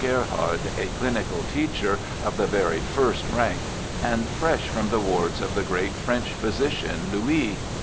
Gerhard, a clinical teacher of the very first rank, and fresh from the wards of the great French physician, Louis.